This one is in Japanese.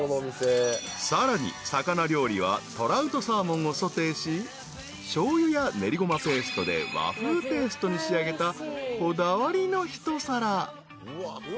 ［さらに魚料理はトラウトサーモンをソテーししょうゆや練りごまペーストで和風テイストに仕上げたこだわりの一皿］